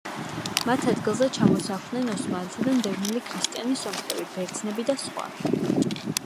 მათ ადგილზე ჩამოსახლდნენ ოსმალეთიდან დევნილი ქრისტიანი სომხები, ბერძნები და სხვა.